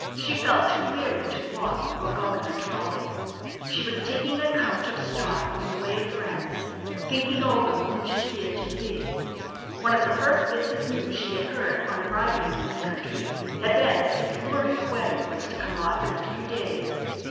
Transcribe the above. She felt too weary to walk or go in the trolley. She was taking account of stock in the way of friends, thinking over whom she cared to see. One of the first bits of news she had heard on arriving in this country had been that Miss Loring's wedding was to come off in a few days.